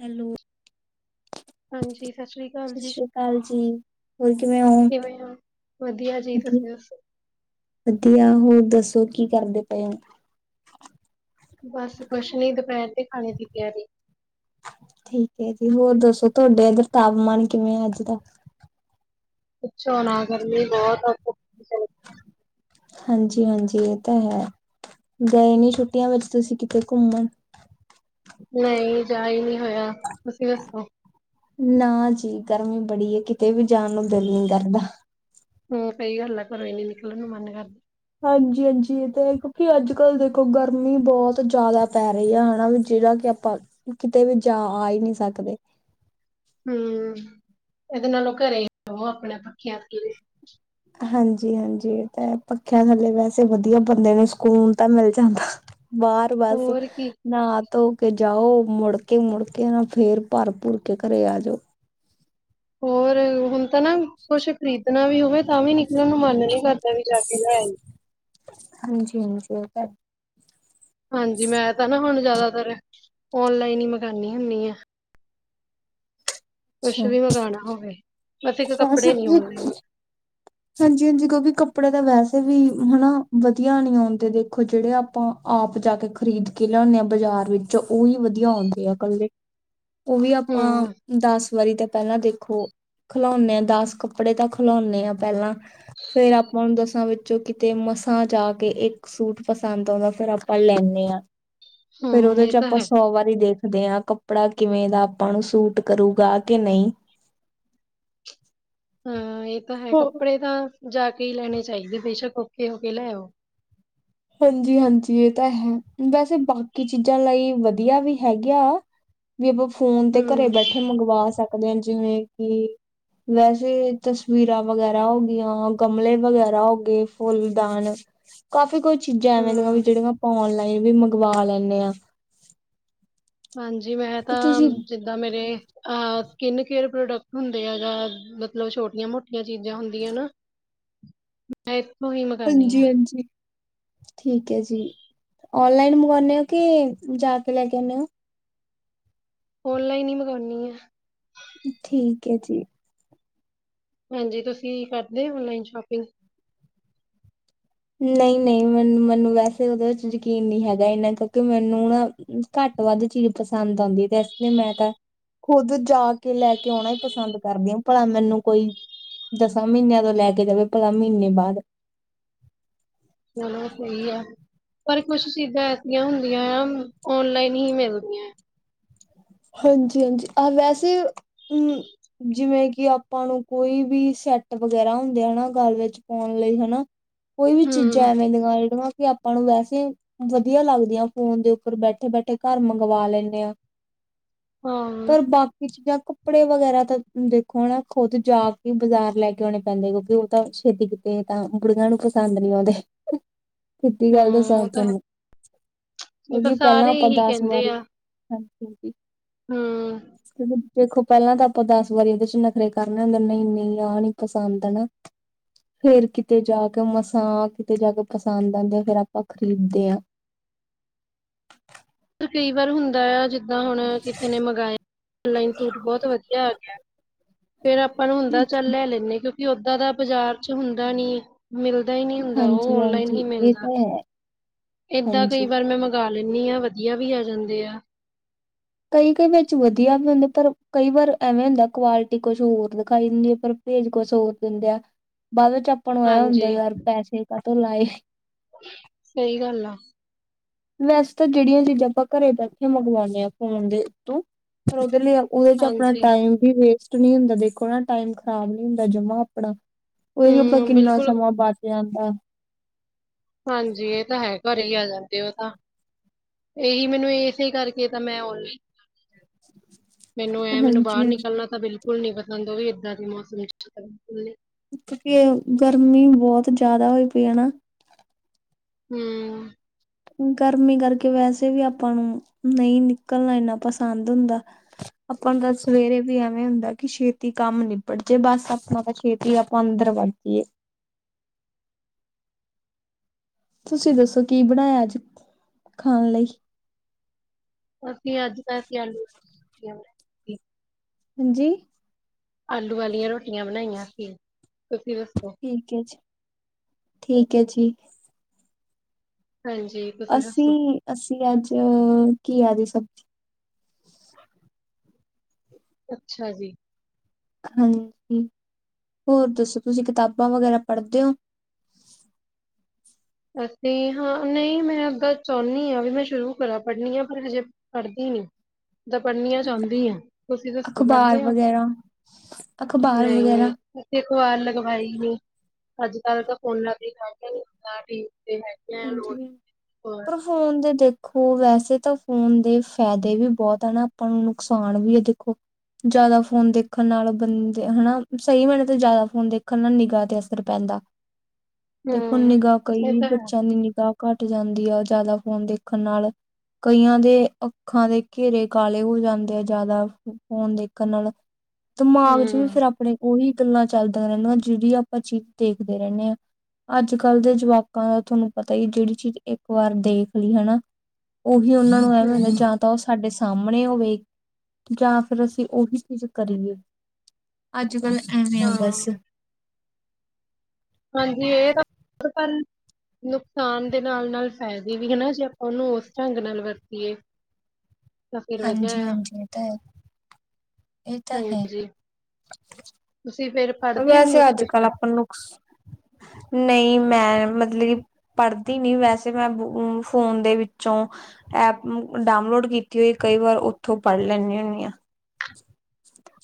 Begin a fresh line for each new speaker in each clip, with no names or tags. Hello,
ਹਾਂਜੀ, ਸ੍ਰੀ ਅਕਾਲ
ਸਤਿ
ਜੀ,
ਸ੍ਰੀ ਅਕਾਲ ਜੀ ਹੋਰ ਕਿਵੇਂ ਹੋ,
ਹੋ? ਵਧੀਆ ਜੀ, ਤੁਸੀਂ ਦੱਸੋ?
ਵਧੀਆ ਹੋਰ ਦੱਸੋ? ਕੀ ਕਰਦੇ ਪਏ ਉਹ।
ਬਸ, ਕੁਛ ਨੀ ਦੁਪਹਿਰ ਦੇ ਖਾਣੇ ਦੀ ਤਿਆਰੀ
ਠੀਕ ਹੈ ਜੀ, ਹੋਰ ਦੱਸੋ? ਤੁਹਾਡੇ ਇੱਧਰ ਤਾਪਮਾਨ ਕਿਵੇਂ ਅੱਜ ਦਾ।
ਪੁੱਛੋ ਨਾ ਗਰਮੀ ਬਹੁਤ ਆ।
ਹਾਂਜੀ- ਹਾਂਜੀ ਇਹ ਤਾਂ ਹੈ। ਗਏ ਨੀ ਛੁੱਟੀਆਂ ਵਿੱਚ ਤੁਸੀਂ ਕਿਤੇ ਘੁੰਮਣ,
ਨਹੀਂ, ਜਾਈ ਨਹੀਂ- ਹੋਇਆ ਤੁਸੀਂ ਦੱਸੋ?
ਨਾ ਜੀ, ਗਰਮੀ ਬੜੀ ਹੇ ਕਿਤੇ ਵੀ ਜਾਣ ਨੂੰ ਦਿਲ ਨੀ ਕਰਦਾ।
ਹੂੰ ਸਈ ਗੱਲ ਆ, ਘਰੋਂ ਹੀ ਨਿਕਲਣ ਨੂੰ ਮਨ ਨੀ ਕਰਦਾ
ਹਾਂਜੀ-ਹਾਂਜੀ, ਤੇ ਕਿਉਂਕਿ ਅੱਜ ਕੱਲ ਦੇਖੋ ਗਰਮੀ ਬਹੁਤ ਜ਼ਿਆਦਾ ਪੈ ਰਹੀ ਹੈ ਹਨਾ ਵੀ ਜਿਹੜਾ ਕਿ ਆਪਾਂ ਕਿਤੇ ਵੀ ਜਾ, ਆ ਹੀ ਨਹੀਂ ਸਕਦੇ।
ਹੂੰ ਇਹਦੇ ਨਾਲੋਂ ਘਰੇ [unintelligible] ਆਪਣੇ ਪੱਖੀਆਂ ਕਿਵੇਂ
ਹਾਂਜੀ- ਹਾਂਜੀ, ਤੇ ਪੱਖਿਆਂ ਥੱਲੇ ਵੈਸੇ ਵਧੀਆ ਬੰਦੇ ਨੂੰ ਸਕੂਨ ਤਾਂ ਮਿਲ ਜਾਂਦਾ ਬਾਹਰ ਬਸ
ਹੋਰ ਕੀ।
ਨਹਾ ਤੋਂ- ਕੇ ਜਾਓ ਮੁੜਕੇ -ਮੁੜਕੇ ਨਾ ਫੇਰ ਭਰ ਭੁਰ ਕੇ ਘਰੇ ਆ ਜਾਓ।
ਹੋਰ ਹੁਣ ਤ ਨਾ ਕੁੱਛ [unintelligible] ਕਰ੍ਰੀਦਾ ਇਨਾ ਵੀ ਹੋਵੇ ਤਾਂ ਵੀ ਨਿਕਲਣ ਨੂੰ ਮਨ ਨੀ ਕਰਦਾ ਵੀ ਜਾ ਕੇ ਲੇ
ਹਾਂਜੀ-ਹਾਂਜੀ, ਉਹ ਤੇ
ਹਾਂਜੀ, ਮੈਂ ਤਾਂ ਨਾ ਹੁਣ ਜਿਆਦਾਤਰ ਓਨਲਾਈਨ ਹੀ ਮੰਗਉਣੀ ਹੁੰਣੀ ਹ। ਕੁਛ ਵੀ ਮੰਗਉਣਾ ਹੋਵੇ। ਬਸ ਇੱਕ
ਸ
ਕੱਪੜੇ ਨੀ ਔਨਲਾਈਨ
[unintelligible] ਹਾਂਜੀ- ਹਾਂਜੀ, ਕਿਉੰਕਿ ਕੱਪੜੇ ਤਾਂ ਵੈਸੇ ਵੀ ਹਨਾ ਵਧੀਆ ਨਹੀਂ ਆਉਂਦੇ, ਦੇਖੋ ਜਿਹੜੇ ਆਪਾਂ ਆਪ ਜਾ ਕੇ ਖ਼ਰੀਦ ਕੇ ਲਿਆਉਦੇ ਆਾਂ ਬਾਜ਼ਾਰ ਵਿੱਚੋ ਉਹੀ ਵਧੀਆ ਆਉਂਦੇ ਆ ਇਕੱਲੇ। ਉਹ ਵੀ ਆਪਾਂ
ਹੂੰ
ਦੱਸ ਵਾਰੀ ਤਾਂ ਪਹਿਲਾਂ ਦੇਖੋ, ਖਿਲਾਉਂਨੇ ਹਾਂ ਦਸ ਕੱਪੜੇ ਤਾਂ ਖਿਲੁਣੇ ਹਾਂ। ਪਹਿਲਾਂ ਫੇਰ ਆਪਾਂ ਨੂੰ ਦੱਸ ਾਂ ਵਿੱਚੋਂ ਕਿਤੇ ਮਸਾਂ ਜਾ ਕੇ ਇੱਕ ਸੂਟ ਪਸੰਦ ਆਉਂਦਾ ਫ਼ਿਰ ਆਪਾਂ ਲੈਂਨੇ ਹਾਂ। ਫਿਰ
ਹੂੰ
ਉਹਦੇ
ਇਹ
ਚ
ਤਾਂ
ਆਪਾਂ
ਹੈ
ਸੌ ਵਾਰੀ ਦੇਖ ਦੇ ਹਾਂ ਕੱਪੜਾ ਕਿਵੇਂ ਦਾ ਆਪਾਂ ਨੂੰ ਸੂਟ ਕਰੂਗਾ ਕਿ ਨਹੀਂ।
ਹਾਂ ਇਹ ਤਾਂ ਹੈ
ਹੋ
ਕੱਪੜੇ ਤਾਂ ਜਾ ਕੇ ਹੀ, ਲੈਣੇ ਚਾਹੀਦੇ ਬੇਸ਼ੱਕ ਔਖੇ ਹੋ ਕੇ ਲੈ ਆਓ।
ਹਾਂਜੀ-ਹਾਂਜੀ, ਇਹ ਤਾਂ ਹੈ ਵੈਸੇ, ਬਾਕੀ ਚੀਜ਼ਾਂ ਲਈ ਵਧੀਆ ਵੀ ਹੈਗੀ ਆ। ਵੀ [unintelligible] ਆਪਾਂ ਫੋਨ ਤੇ ਘਰੇ
ਹੂੰ
ਬੈਠੇ ਮੰਗਵਾ ਸਕ ਦੇ ਜਿਵੇਂ ਕਿ ਵੈਸੇ ਤਸਵੀਰਾਂ ਵਗੈਰਾ ਹੋ ਗਈਆਂ ਗਮਲੇ ਵਗੈਰਾ ਹੋ ਗਏ ਫੁੱਲਦਾਨ ਕਾਫੀ ਕੁਛ ਚੀਜਾਂ ਐਵੇਂ ਲਗਾ ਵੀ
ਹੂੰ
ਜਿਹੜੀਆ ਪਾਉਣ ਲੱ ਵੀ ਮੰਗਵਾ ਲੈਨੇ ਆ,
ਹਾਂਜੀ ਮੈਂ ਤਾਂ ਜਿੱਦਾਂ ਮੇਰੇ ਸਕਿਨ ਕੇਅਰ ਪ੍ਰੋਡਕਟ ਹੁੰਦੇ ਆ ਜਾਂ ਮਤਲਬ ਛੋਟੀਆਂ ਮੋਟੀਆਂ ਚੀਜਾਂ ਹੁੰਦੀਆਂ ਨਾ ਮੁਹਿੰਮ ਕਰਨੀ ਆ।
ਹਾਂਜੀ ਹਾਂਜੀ ਠੀਕ ਹੈ ਜੀ ਔਨਲਾਈਨ ਮੰਗਵਾਨੇ ਹੋ ਕਿ ਜਾ ਕੇ ਲੈ ਕੇ ਆਦੇ ਹੋ।
ਔਨਲਾਈਨ ਹੀ ਮਗਾਨੀ ਆ।
ਠੀਕ ਹੈ ਜੀ,
ਹਾਂਜੀ, ਤੁਸੀਂ ਕਰਦੇ ਔਨਲਾਈਨ ਸ਼ੋਪਿੰਗ
ਨਹੀਂ-ਨਹੀਂ, ਮੈਨੂੰ-ਮੈਨੂੰ ਵੈਸੇ ਉਹਦੇ ਵਿੱਚ ਯਕੀਨ ਨਹੀਂ ਹੈਗਾ, ਇਨਾ ਕਿਉਂਕਿ ਮੈਨੂੰ ਨਾ ਘੱਟ ਵੱਧ ਚੀਜ਼ ਪਸੰਦ ਆਦੀ ਤੇ ਇਸ ਲਈ ਮੈਂ ਤਾਂ ਖੁਦ ਜਾ ਕੇ ਲੈ ਕੇ ਆਣਾ ਹੀ ਪਸੰਦ ਕਰਦੀ ਹਾ ਭਲਾ ਮੈਨੂੰ ਕੋਈ ਦਸਾਂ ਮਹੀਨਿਆਂ ਤੋਂ ਲੈ ਕੇ ਜਾਵੇ ਭਲਾ ਮਹੀਨੇ ਬਾਦ
ਚਲੋ, ਸਹੀ ਆ ਪਰ ਕੁਛ ਚੀਜ਼ਾਂ ਐਸੀਆਂ ਹੁੰਦੀਆਂ ਆ ਔਨਲਾਈਨ ਹੀ ਮਿਲਦੀਆਂ ਹੈ।
ਹਾਂਜੀ-ਹਾਂਜੀ, ਆ ਵੈਸੇ ਜਿਵੇਂ ਕਿ ਆਪਾਂ ਨੂੰ ਕੋਈ ਵੀ ਸੈਟ ਵਗੈਰਾ ਹੁੰਦੇ ਹਨਾ, ਗੱਲ ਵਿੱਚ ਪਾਣ ਲਈ ਹਨਾ। ਕੋਈ ਵੀ
ਹੂੰ
ਚੀਜ਼ਾਂ ਐਵੇਂ ਲਗਾ ਲ ਕਿ ਆਪਾਂ ਨੂੰ ਵੈਸੇ ਵਧੀਆ ਲੱਗਦੀਆਂ ਫੋਨ ਦੇ ਉੱਪਰ ਬੈਠੇ ਬੈਠੇ ਘਰ ਮੰਗਵਾ ਲੈਂਨੇ ਹਾਂ।
ਹਾਂ
ਪਰ ਬਾਕੀ ਚੀਜ਼ਾਂ, ਕੱਪੜੇ ਵਗੈਰਾ ਤਾਂ ਦੇਖੋ ਨਾ ਖੁੱਦ ਜਾ ਕੇ ਬਜ਼ਾਰ ਲੈ ਕੇ ਆਣੇ ਪੈਂਦੇ ਕਿਉਂਕਿ ਉਹ ਤਾਂ ਛੇਤੀ ਕੀਤੇ ਤਾਂ ਬੁੜੀਆਂ ਨੂੰ ਪਸੰਦ ਨੀ ਆਦੇ। ਸਿੰਧੀ
ਹਮ
ਗੱਲ ਦੱਸਾਂ,
ਉਹ ਤਾਂ ਹੈ
ਤੁਹਾਨੂੰ
ਇਹ ਤਾਂ
ਕਿਉਂਕਿ ਪਹਿਲਾਂ
ਸਾਰੇ
ਆਪਾਂ ਦਸ ਵਾਰੀ ਹਾਂਜੀ,
ਹੂੰ,
ਦੇਖੋ, ਪਹਿਲਾਂ ਤਾਂ ਆਪਾਂ ਦਸ ਵਾਰੀ ਉਹਦੇ ਚ ਨਖਰੇ ਕਰਨੇ ਹੁੰਦੇ ਨਹੀਂ-ਨਹੀਂ ਆਹ ਨੀ ਪਸੰਦ ਆ ਨਾ ਫੇਰ ਕਿਤੇ ਜਾ ਕੇ ਮਸਾਂ ਕਿਤੇ ਜਾ ਕੇ ਪਸੰਦ ਆਦੇ ਆ ਫਿਰ ਆਪਾਂ ਖ਼ਰੀਦਦੇ ਹਾਂ।
ਕਈ ਵਾਰ ਹੁੰਦਾ ਆ ਜ ਜਦਾਂ ਹੁਣ ਕਿਸੇ ਨੇ ਮੰਗਾਇਆ ਔਨਲਾਈਨ ਸੂਟ ਬਹੁਤ ਵਧੀਆ ਆ ਗਿਆ ਫੇਰ ਆਪਾਂ ਨੂੰ ਹੁੰਦਾ ਚੱਲ ਲੈ ਲੈਂਨੇ ਆ ਕਿਉਂਕਿ ਉਦਾ ਦਾ ਬਾਜ਼ਾਰ ਚ ਹੁੰਦਾ ਨੀ ਮਿਲ
ਹਾਂਜੀ-ਹਾਂਜੀ ਇਹ ਤਾਂ ਹੈ,
ਏਦਾਂ
ਹਾਂਜੀ
ਕਈ ਵਾਰ ਮੈਂ ਮੰਗਵਾ, ਲੈਂਨੀ ਹਾਂ ਵਧੀਆ ਵੀ ਆ ਜਾਂਦੇ ਆ।
ਕਈ-ਕਈ ਵਿੱਚ ਵਧੀਆ ਵੀ ਹੁੰਦੇ ਪਰ ਕਈ ਵਾਰ ਐਵੇਂ ਹੁੰਦਾ, ਕੁਆਲਿਟੀ ਕੁਛ ਹੋਰ ਦਿਖਾਈ ਦਿੰਦੀ ਹੈ, ਪਰ ਭੇਜ ਕੁਛ ਹੋਰ ਦਿੰਦਾ, ਬਾਅਦ ਵਿੱਚ ਆਪਾ ਨੂੰ ਐ ਹੁੰਦਾ
ਹਾਂਜੀ
ਯਾਰ ਪੈਸੇ, ਲਾਏ,
ਸਹੀ ਗੱਲ ਆ
ਵੈਸੇ ਤਾਂ ਜਿਹੜੀਆਂ ਚੀਜ਼ਾਂ ਆਪਾਂ ਘਰੇ ਬੈਠੇ ਮੰਗਵਾਨੇ ਆ ਫੋਨ ਤੋ ਫੇਰ ਉਹਦੇ ਲਈ ਉਹਦੇ ਚ ਆਪਣਾ
ਹਾਂਜੀ
ਟਾਈਮ ਵੀ ਵੇਸਟ ਟ ਨੀ ਹੁੰਦਾ ਦੇਖੋ ਨਾ ਟਾਈਮ ਖ਼ਰਾਬ ਨੀ ਹੁੰਦਾ ਜਮਾਂ ਆਪਣਾ ਉਹ ਆਪਾਂ
ਹਮ
ਕਿੰਨਾ
ਬਿਲਕੁਲ
ਸਮਾਂ ਬਚ ਜਾਂ ਹਾਂ,
ਹਾਂਜੀ, ਇਹ ਤਾਂ ਹੈ, ਘਰ ਹੀ ਆ ਜਾਂਦੇ ਉਹ ਤਾਂ ਇਹੀ ਮੈਨੂੰ ਇਸੇ ਕਰਕੇ ਤਾਂ ਮੈਂ ਔਨ ਮੈਨੂੰ ਐ ਮੈਨੂੰ
ਹਾਂਜੀ
ਬਾਹਰ
ਹਾਂਜੀ
ਨਿਕਲਣਾ ਤਾਂ ਬਿਲ ਹੁਣ ਨੀ ਪਸੰਦ ਉਹ ਵੀ ਏਦਾਂ ਦੇ ਮੌਸਮ ਚ [unintelligible]
ਕਿਉਂਕਿ ਗਰਮੀ ਬਹੁਤ ਜ਼ਿਆਦਾ ਹੋਈ ਪਈ ਹੈ ਨਾ,
ਹੂੰ,
ਗਰਮੀ ਕਰਕੇ ਵੈਸੇ ਵੀ ਆਪਾਂ ਨੂੰ ਨਹੀਂ ਨਿਕਲਣਾ ਇੰਨਾ ਪਸੰਦ ਹੁੰਦਾ ਆਪਾਂ ਤਾਂ ਸਵੇਰੇ ਵੀ ਐਵੇਂ ਹੁੰਦਾ, ਕਿ ਛੇਤੀ ਕੰਮ ਨਿਬੜ ਜਾੇ ਬਸ ਆਪਾਂ ਤਾਂ ਛੇਤੀ ਆਪਾਂ ਅੰਦਰ ਬੜ ਜਾਈਏ। ਤੁਸੀਂ ਦੱਸੋ ਕੀ ਬਣਾਇਆ, ਅੱਜ ਖਾਣ ਲਈ
ਅਸੀ ਅੱਜ ਵੇਸੇ ਆਲੂ, ਠੀਕ,
ਹਾਂਜੀ,
ਆਲੂ ਵਾਲੀਆਂ ਰੋਟੀਆਂ ਬਣਾਈਆਂ ਸੀ। ਤੁਸੀਂ ਦੱਸੋ?
ਠੀਕ ਹੈ ਜੀ ਠੀਕ ਹੈ ਜੀ।
ਹਾਂਜੀ, ਤੁਸੀਂ ਦੱਸੋ?
ਅਸੀਂ ਅਸੀਂ ਅੱਜ ਕੀ ਆਦ ਇਹ ਸਭ ਜੀ।
ਅੱਛਾ ਜੀ।
ਹਾਂਜੀ ਹੋਰ ਦੱਸੋ, ਤੁਸੀਂ ਕਿਤਾਬਾਂ ਵਗੈਰਾ ਪੜ੍ਹਦੇ ਹੋ?
ਅਸੀਂ ਹਾਂ ਨਹੀਂ ਮੈਂ ਚਾਹੁੰਦੀ, ਵੀ ਮੈਂ ਸ਼ੁਰੂ ਕਰਾਂ ਪੜ੍ਹਨੀ ਹ ਪਰ ਹਜੇ ਪੜ੍ਹਦੀ ਨਹੀਂ ਤਾਂ ਪੜ੍ਹਨੀਆਂ ਚਾਹੁੰਦੀ । ਤੁਸੀਂ ਦੱਸੋ
ਅਖ਼ਬਾਰ
ਪੜ੍ਹਦੇ ਹੋ
ਵਗੈਰਾ ਅਖ਼ਬਾਰ ਵਗੈਰਾ
ਨਹੀਂ, ਅਸੀਂ ਅਖਬਾਰ ਲਗਵਾਈ ਅੱਜ ਕੱਲ ਤਾਂ ਫੋਨਾ ਤੇ ਹਰ ਸਾਡੀ
ਹਾਂਜੀ ਪਰ ਹੁਣ ਤੇ ਦੇਖੋ ਵੈਸੇ ਤਾਂ ਫ਼ੋਨ ਦੇ ਫਾਇਦੇ ਵੀ ਬਹੁਤ ਆ ਨਾ ਆਪਾਂ ਨੂੰ ਨੁਕਸਾਨ ਵੀ ਹੈ ਦੇਖੋ ਜ਼ਿਆਦਾ ਫੋਨ ਦੇਖਣ ਨਾਲ ਬੰਦੇ ਹਨਾ, ਸਹੀ ਮਣੇ ਤਾਂ ਜ਼ਿਆਦਾ ਫੋਨ ਦੇਖਣ ਨਾਲ ਨਿਗਾਹ ਤੇ ਅਸਰ ਪੈਂਦਾ। ਦੇਖੋ
ਹੂੰ,
ਨਿਗਾਹ
ਇਹ
ਕਈ
ਤਾਂ ਹੈ।
ਘੱਟ ਜਾਂਦੀ, ਆ ਜ਼ਿਆਦਾ ਫੋਨ ਦੇਖਣ ਨਾਲ ਕਈਆਂ ਦੇ ਅੱਖਾਂ ਦੇ ਘੇਰੇ ਕਾਲੇ ਹੋ ਜਾਂਦੇ, ਆ ਜ਼ਿਆਦਾ ਫੋਨ ਦੇਖਣ ਨਾਲ- ਦਿਮਾਗ ਚ ਵੀ
ਹੂੰ,
ਫੇਰ ਆਪਣੇ ਉਹੀ ਗੱਲਾਂ ਚੱਲਦੀਆਂ ਰਹਿੰਦਾ, ਜਿਹੜੀ ਆਪਾਂ ਚੀਜ਼ ਦੇਖਦੇ ਰਹਿੰਦੇ ਹਾਂ, ਅੱਜ ਕੱਲ੍ਹ ਦੇ ਜਵਾਕਾਂ ਦਾ ਤੁਹਾਨੂੰ ਪਤਾ ਹੀ ਜਿਹੜੀ ਚੀਜ਼ ਇੱਕ ਵਾਰ ਦੇਖ ਲਈ ਹੈ, ਉਹੀ ਵੀ ਉਹਨਾ ਨੂੰ ਐਵੇ ਹੁੰਦਾ,
ਹੂੰ,
ਜਾਂ ਤਾਂ ਉਹ ਸਾਡੇ ਸਾਹਮਣੇ ਹੋਵੇ, ਜਾਂ ਫਿਰ ਅਸੀਂ ਉਹੀ ਚੀਜ਼ ਕਰੀਏ ਅੱਜ ਕੱਲ ਹਾਂ ਬੱਸ।
ਹਾਂਜੀ, ਇਹ ਤਾਂ ਨੁਕਸਾਨ ਦੇ ਨਾਲ ਨਾਲ ਫਾਇਦੇ ਵੀ ਹਨਾ, ਜੇ ਆਪਾਂ ਉਹਨੂੰ ਉਸ ਢੰਗ ਨਾਲ ਵਰਤੀਏ ਤਾਂ ਫਿਰ ਵਧੀਆ
ਹਾਂਜੀ
ਆ,
ਹਾਂਜੀ ਇਹ ਤਾਂ ਹੈ। ਇਹ ਤ ਹੈ
ਹਾਂਜੀ ਤੁਸੀਂ ਫੇਰ ਪੜ੍ਹਦੇ ਹੋ
ਵੈਸੇ ਅੱਜ ਕੱਲ
ਨਿਊਜ਼ਪੇਪਰ?
ਆਪਾਂ ਨੂੰ ਨਹੀਂ ਮੈਂ ਮਤਲਬ ਕਿ ਪੜ੍ਹਦੀ ਨੀ ਵੈਸੇ, ਮੈਂ ਫੋਨ ਦੇ ਵਿੱਚੋਂ ਐਪ ਡਾਊਨਲੋਡ ਕੀਤੀ ਹੋਈ, ਕਈ ਵਾਰ ਉੱਥੋਂ ਪੜ੍ਹ ਲੈਂਦੀ ਹੁੰਦੀ ਹਾਂ।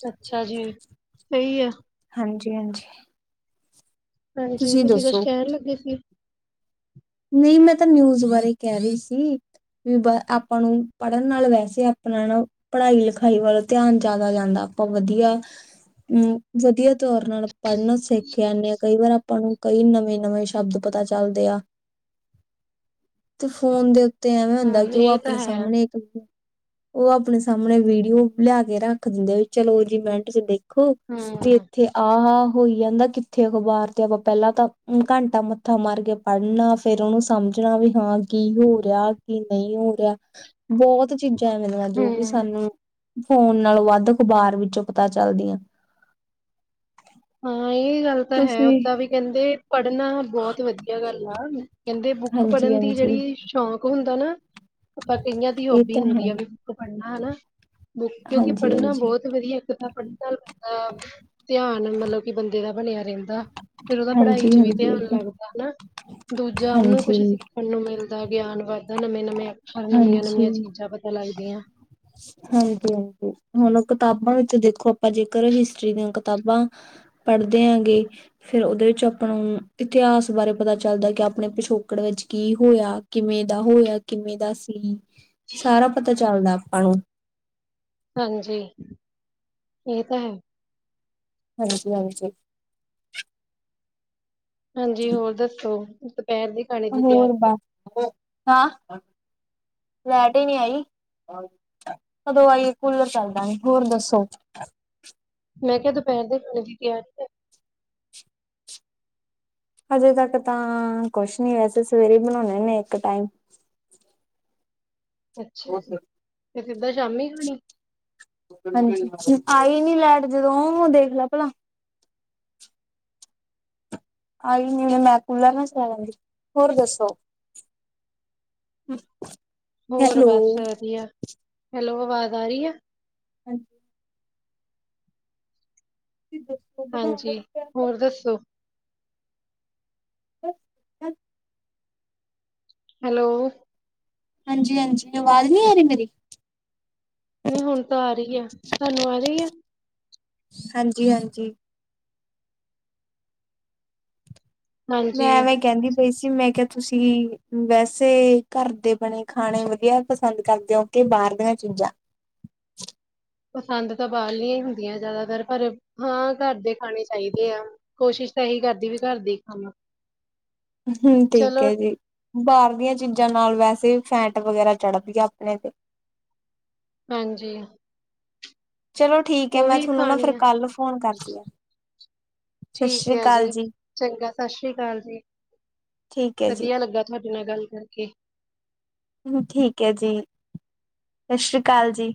ਅੱਛਾ ਜੀ ਸਹੀ ਆ।
ਹਾਂਜੀ ਹਾਂਜੀ।
ਹਾਂਜੀ ਤੁਸੀਂ ਕੁਛ ਕਹਿਣ ਲੱਗੇ ਸੀ।
ਨਹੀਂ ਮੈਂ ਤਾਂ ਨਿਊਜ਼ ਬਾਰੇ ਕਹਿ ਰਹੀ ਸੀ ਵੀ ਆਪਾਂ ਨੂੰ ਪੜ੍ਹਨ ਨਾਲ ਵੈਸੇ ਆਪਣਾ ਨਾ ਪੜ੍ਹਾਈ- ਲਿਖਾਈ ਵੱਲ ਧਿਆਨ ਜ਼ਿਆਦਾ ਜਾਂਦਾ, ਆਪਾਂ ਵਧੀਆ ਅਮ ਵਧੀਆ ਤੌਰ ਨਾਲ ਪੜ੍ਹਨ ਸਿੱਖ ਜਾਨੇ ਆਂ, ਕਈ ਵਾਰ ਆਪਾਂ ਨੂੰ ਕਈ ਨਵੇਂ-ਨਵੇਂ ਸ਼ਬਦ ਪਤਾ ਚੱਲਦੇ ਆ ਤੇ ਫੋਨ ਦੇ ਉ ਤੇ ਐਵੇਂ ਹੁੰਦਾ
ਹੂੰ,
ਕਿ ਉਹ
ਇਹ ਤਾਂ
ਆਪਣੇ
ਹੈ,
ਸਾਹਮਣੇ ਇੱਕ ਉਹ ਆਪਣੇ ਸਾਹਮਣੇ ਵੀਡੀਓ ਲਿਆ ਕੇ ਰੱਖ ਦਿੰਦੇ ਆ ਚਲੋ ਉਹੀ ਮਿੰਟ ਚ ਦੇਖ ਖੋ ਵੀ
ਹੂੰ,
ਇੱਥੇ ਆਹਾ ਹੋਈ ਜਾਂਦਾ, ਕਿੱਥੇ ਅਖ਼ਬਾਰ ਤੇ ਆਪਾਂ ਪਹਿਲਾਂ ਤਾਂ ਘੰਟਾ ਮੱਥਾ ਮਾਰ ਕੇ ਪੜ੍ਹਨਾ- ਫੇਿਰ ਉਹਨੂੰ ਸਮਝਣਾ ਵੀ ਹਾਂ, ਕੀ ਹੋ ਰਿਹਾ ਕੀ ਨਹੀਂ ਹੋ ਰਿਹਾ ਬਹੁਤ ਚੀਜ਼ਾਂ ਚ ਮੈਨੂੰ ਜੋ ਕਿ
ਹੂੰ।
ਸਾਨੂੰ ਫੋਨ ਨਾਲੋਂ ਵੱਧ ਅਖ਼ਬਾਰ ਵਿੱਚੋਂ ਪਤਾ ਚੱਲਦੀਆਂ।
ਹੋ ਹਾਂ ਇਹ ਗੱਲ ਤਾਂ ਹੈ
ਤੁਸੀਂ
ਓਦਾਂ ਵੀ ਕਹਿੰਦੇ ਪੜ੍ਹਨਾ ਬਹੁਤ ਵਧੀਆ ਗੱਲ ਆ ਕਹਿੰਦੇ ਬੁੱਕ
ਹਾਂਜੀ
ਪੜ੍ਹਨ ਦੀ
ਹਾਂਜੀ
ਜਿਹੜੀ ਸ਼ੌਂਕ ਹੁੰਦੀ ਐ ਹਨਾ, ਪਰ ਕਈਆਂ ਦੀ
ਇਹ
ਹੋਬੀ
ਤਾਂ ਹੈ
ਹੁੰਦੀ ਆ ਵੀ ਬੁੱਕ ਪੜ੍ਹਨਾ ਹਨਾ, ਬੁੱਕ ਕਿਉਂਕਿ
ਹਾਂਜੀ
ਪੜ੍ਹਨਾ
ਹਾਂਜੀ
ਬਹੁਤ ਵਧੀਆ ਕਿਤਾਬ ਪੜਦਾ ਬੰਦਾ ਧਿਆਨ ਮਤਲਬ ਕਿ ਬੰਦੇ ਦਾ ਬਣਿਆ ਰਹਿੰਦਾ। ਫਿਰ ਉਹਦਾ ਪੜ੍ਹਾਈ
ਹਾਂਜੀ
ਚ ਵੀ
ਹਾਂਜੀ ਇਹ
ਧਿਆਨ
ਤਾਂ
ਲੱਗਦਾ ਹਨਾ ਦੂਜਾ ਉਹਨੂੰ
ਹਾਂਜੀ
ਕੁਛ ਸਿੱਖਣ ਨੂੰ ਮਿਲ ਦਾ ਗਿਆਨ ਵੱਧਦਾ ਨਵੇਂ-ਨਵੇਂ ਅੱਖਰ ਨਵੀਆਂ-ਨਵੀਆਂ
ਹਾਂਜੀ,
ਚੀਜ਼ਾਂ ਪਤਾ ਲੱਗਦੀਆਂ।
ਹਾਂਜੀ, ਹਾਂਜੀ ਹੁਣ ਕਿਤਾਬਾਂ ਵਿੱਚ ਦੇਖੋ ਆਪਾਂ ਜੇਕਰ ਹਿਸਟਰੀ ਦੀਆਂ ਕਿਤਾਬਾਂ ਪੜ੍ਹਦੇ ਆਂਗੇ ਫੇਰ ਉਹਦੇ ਵਿੱਚ ਆਪਣਾ ਇਤਿਹਾਸ ਬਾਰੇ ਪਤਾ ਚੱਲਦਾ, ਕਿ ਆਪਣੇ ਪਿਛੋਕੜ ਵਿੱਚ ਕੀ ਹੋਇਆ ਕਿਵੇਂ ਦਾ ਹੋਇਆ ਕਿਵੇਂ ਦਾ [inaudible] ਸਾਰਾ ਪਤਾ ਚੱਲਦਾ ਆਪਾਂ ਨੂੰ
ਹਾਂਜੀ, ਇਹ ਤਾਂ ਹੈ।
ਹਾਂਜੀ, ਹਾਂਜੀ।
ਹਾਂਜੀ ਹੋਰ ਦੱਸੋ [inaudible] ਦੀ
ਹੋਰ
ਤਿਆਰੀ ਹੈ?
ਬਸ ਹੋ ਹਾਂ ਲੈਟ ਹੀ ਨਹੀਂ ਆਈ ਕਦੋਂ ਆਈ ਏ ਕੂਲਰ ਚੱਲਦਾ ਨੀ ਹੋਰ ਦੱਸੋ
ਮੈਂ ਕਿਹਾ ਦੁਪਹਿਰ ਦੇ ਖਾਣੇ ਦੀ ਤਿਆਰੀ ਐ।
ਹਜੇ ਤੱਕ ਤਾਂ ਕੁਛ ਨੀ ਵੈਸੇ ਸਵੇਰੇ ਬਣਾਣੇ ਨੇ ਇੱਕ ਟਾਈਮ
ਅੱਛਾ ਜੀ, ਤੇ ਸਿੱਧਾ ਸ਼ਾਮੀ ਖਾਣੀ
ਹਾਂਜੀ ਆਈ ਨੀ ਲੈਟ ਜਦੋਂ ਉਹ ਦੇਖ ਲੈ ਭਲਾ ਆਈ ਨੀ ਮੈਂ ਕੂਲਰ ਨਾ ਚਲਾ ਲੈਂਦੀ, ਹੋਰ ਦੱਸੋ
ਹੋਰ
ਹੈਲੋ
ਬਸ ਵਧੀਆ ਹੈਲੋ ਆਵਾਜ਼ ਆ ਰਹੀ ਹੈ
ਹਾਂਜੀ ਦੱਸੋ
ਹਾਂਜੀ
ਬਣਾਉਣਾ
ਹੋਰ ਦੱਸੋ
ਹੋਰ
ਹੈਲੋ
ਹਾਂਜੀ ਹਾਂਜੀ ਆਵਾਜ਼ ਨੀ ਆ ਰਹੀ ਮੇਰੀ
ਨਹੀਂ ਹੁਣ ਤਾਂ ਆ ਰਹੀ ਆ ਤੁਹਾਨੂੰ ਆ ਰਹੀ ਆ
ਹਾਂਜੀ ਹਾਂਜੀ
ਹਾਂਜੀ,
ਮੈਂਵੇਂ ਕਹਿੰਦੀ ਪਈ ਸੀ ਜਿਵੇਂ ਕਿਹਾ ਤੁਸੀਂ ਵੈਸੇ ਘਰ ਦੇ ਬਣੇ ਖਾਣੇ ਵਧੀਆ ਪਸੰਦ ਕਰਦੇ ਹੋ ਕਿ ਬਾਹਰ ਦੀਆਂ ਚੀਜ਼ਾਂ
ਪਸੰਦ ਤਾਂ ਬਾਲ ਨੀਆਂ ਹੁੰਦੀਆਂ ਜ਼ਿਆਦਾਤਰ ਪਰ ਹਾਂ ਘਰ ਦੇ ਖਾਣੇ ਚਾਹੀਦੇ ਆ ਕੋਸ਼ਿਸ਼ ਤਾਂ ਇਹੀ ਕਰਦੀ ਵੀ ਘਰ ਦੇ ਹੀ ਖਾਣਾ
ਹਮ ਠੀਕ ਹੈ ਜੀ ਬਾਹਰ ਦੀਆਂ ਚੀਜ਼ਾਂ ਨਾਲ ਵੈਸੇ ਸ਼ੈਂਟ ਵਗੈਰਾ ਚੜਪ ਗਿਆ ਆਪਣੇ ਤੇ
ਹਾਂਜੀ
ਚਲੋ ਠੀਕ ਹੈ ਮੈਂ
ਉਹੀ
ਤੁਹਾਨੂੰ ਨਾ
ਖਾਣੀ
ਫਿਰ
ਆ।
ਕੱਲ ਫੋਨ ਕਰਦੀ ਹਾਂ ਸਤਿ
ਠੀਕ
ਸ੍ਰੀ
ਹੈ
ਅਕਾਲ ਜੀ
ਚੰਗਾ ਸਤਿ ਸ੍ਰੀ ਅਕਾਲ ਜੀ,
ਠੀਕ ਹੈ ਜੀ
ਵਧੀਆ ਲੱਗਾ ਤੁਹਾਡੇ ਨਾਲ ਗੱਲ ਕਰਕੇ
ਠੀਕ ਹੈ ਜੀ ਸਤਿ ਸ੍ਰੀ ਅਕਾਲ ਜੀ